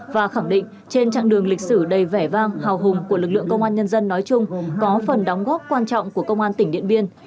và khẳng định trên chặng đường lịch sử đầy vẻ vang hào hùng của lực lượng công an nhân dân nói chung có phần đóng góp quan trọng của công an tỉnh điện biên